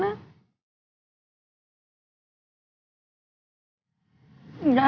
gak ada yang lukis